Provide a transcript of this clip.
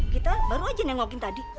kita baru aja nengokin tadi